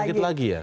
bangkit lagi ya